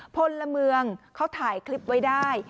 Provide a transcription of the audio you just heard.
พลเมืองเขาถ่ายคลิปไว้ได้